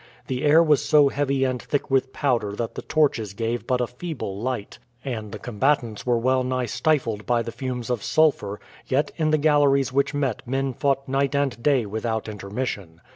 The air was so heavy and thick with powder that the torches gave but a feeble light, and the combatants were well nigh stifled by the fumes of sulphur, yet in the galleries which met men fought night and day without intermission.